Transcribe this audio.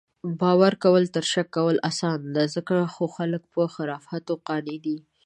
باؤر کؤل تر شک کؤلو اسانه دي، ځکه خو خلک پۀ خُرفاتو قانع دي